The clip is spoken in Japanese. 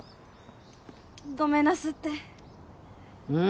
ごめんなすってうん？